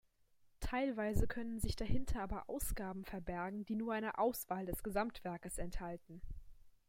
Teilweise können sich dahinter aber Ausgaben verbergen, die nur eine Auswahl des Gesamtwerkes enthalten.